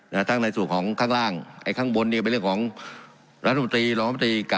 นะทั้งในส่วนของข้างล่างไอ้ข้างบนเนี่ย